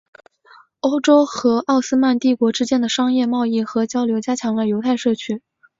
欧洲和奥斯曼帝国之间的商业贸易和交流加强了犹太社区。